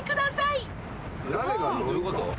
どういうこと？